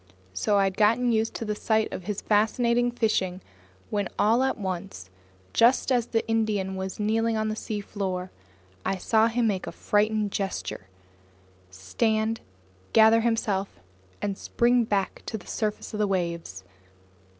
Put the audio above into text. So I had gotten used to the sight of this fascinating fishing when all at once, just as the Indian was kneeling on the seafloor, I saw him make a frightened gesture, stand, and gather himself to spring back to the surface of the waves.